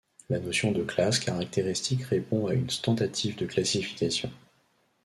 La notion de classe caractéristique répond à une tentative de classification.